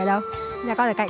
nhà con ở cạnh không